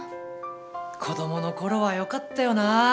子どものころはよかったよな。